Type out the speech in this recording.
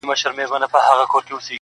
دا نظریه بیانول دي